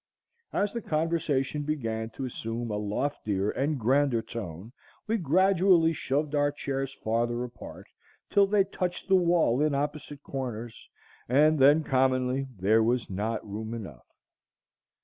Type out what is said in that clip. As the conversation began to assume a loftier and grander tone, we gradually shoved our chairs farther apart till they touched the wall in opposite corners, and then commonly there was not room enough.